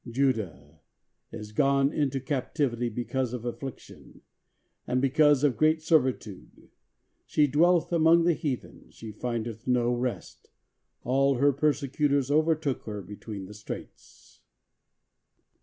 "Judah is gone into captivity because of afiEliction, and because of great servitude: she dwelleth among the heathen, she findeth no rest; all her persecutors overtook her between the straits."